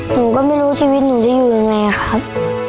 หนูก็ไม่รู้ชีวิตหนูจะอยู่ยังไงครับ